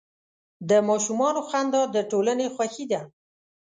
د ماشومانو خندا د ټولنې خوښي ده.